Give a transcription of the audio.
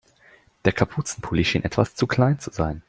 Der Kapuzenpulli schien etwas zu klein zu sein.